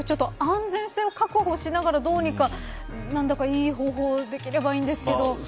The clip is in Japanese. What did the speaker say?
とにかく安全性を確保しながらどうにか、何かいい方法ができればいいんですけど。